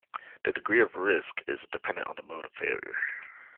The degree of risk is dependent on the mode of failure.